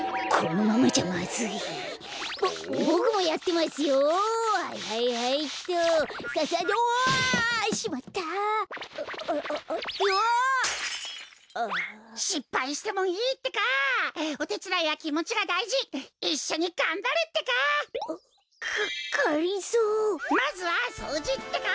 まずはそうじってか。